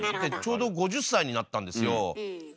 ちょうど５０歳になったんですよ。